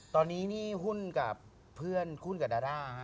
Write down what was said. ตอนนี้นี่หุ้นกับเพื่อนหุ้นกับดาร่าฮะ